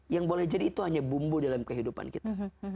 yang boleh jadi itu hanya bumbu dalam kehidupan kita